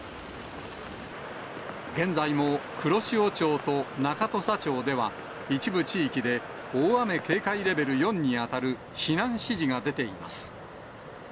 現在も黒潮町と中土佐町では、一部地域で、大雨警戒レベル４に当たる避難指示が出ています。